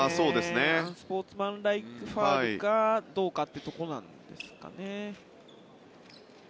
スポーツマンライクファウルかどうかというところなんですかね。